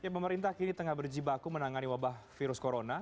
pemerintah kini tengah berjibaku menangani wabah virus corona